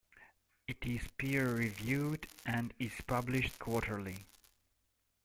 It is peer-reviewed, and is published quarterly.